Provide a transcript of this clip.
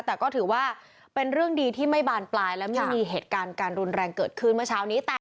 แต่ก็ถือว่าเป็นเรื่องดีที่ไม่บานปลายและไม่มีเหตุการณ์การรุนแรงเกิดขึ้นเมื่อเช้านี้